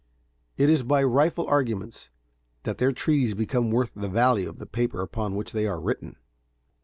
It is by rifle arguments that their treaties become worth the value of the paper upon which they are written.